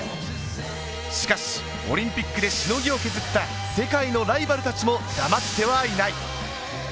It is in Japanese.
しかし、オリンピックでしのぎを削った世界のライバルたちも黙ってはいない。